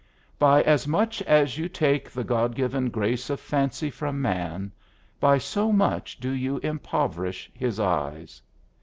By as much as you take the God given grace of fancy from man, by so much do you impoverish his eyes.